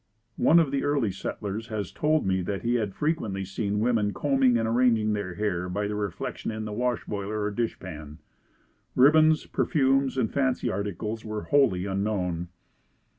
One of the early settlers has told me that he had frequently seen the women combing and arranging their hair by their reflection in the wash boiler or dish pan. Ribbons, perfumes and fancy articles were wholly unknown.